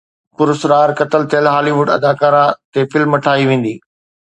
پراسرار قتل ٿيل هالي ووڊ اداڪاره تي فلم ٺاهي ويندي